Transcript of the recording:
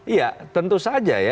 iya tentu saja ya